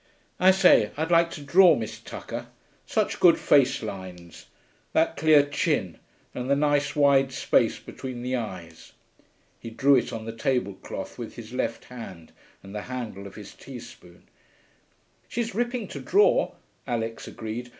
I say, I'd like to draw Miss Tucker; such good face lines. That clear chin, and the nice wide space between the eyes.' He drew it on the tablecloth with his left hand and the handle of his teaspoon. 'She's ripping to draw,' Alix agreed.